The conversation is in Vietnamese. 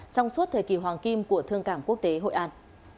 trong suốt thời kỳ hoàng kim của thương cảng quốc tế hội an